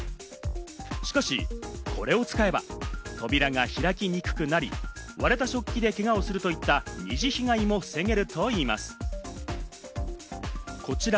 しかし、これを使えば扉が開きにくくなり、割れた食器でけがをするといった二次被害も防げるといいます。